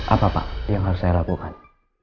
apa pak yang harus saya lakukan